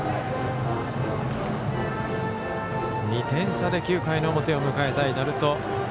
２点差で９回の表を迎えたい鳴門。